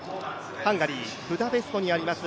ハンガリー・ブダペストにあります